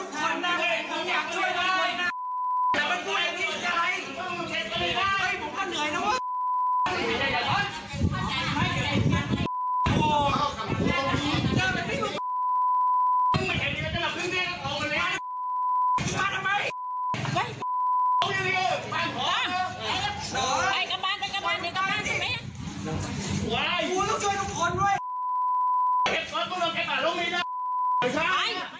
คุณผู้ชมครับมาดูเรื่องเดือดเดือดที่เกิดขึ้นในโรงพยาบาลที่ชุมพรกันหน่อยนะครับ